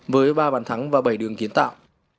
với ba bàn thắng và bảy đường kiến tạo